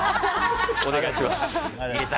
お願いします。